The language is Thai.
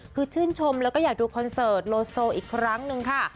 คือชื่นชมแล้วก็อยากดูคอนเสิร์ตโลโซอีกครั้งหนึ่งค่ะ